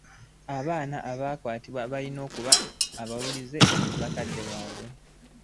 Abo ababakwata balina okuba abawulize eri ababakutte